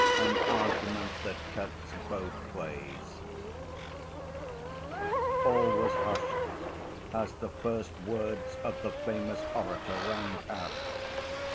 An Argument That Cuts Both Ways All was hushed as the first words of the famous orator rang out.